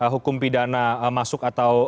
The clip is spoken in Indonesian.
hukum pidana masuk atau